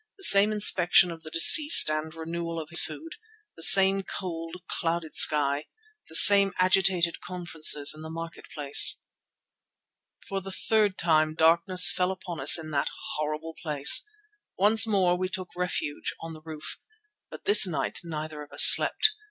The same inspection of the deceased and renewal of his food; the same cold, clouded sky, the same agitated conferences in the market place. For the third time darkness fell upon us in that horrible place. Once more we took refuge on the roof, but this night neither of us slept.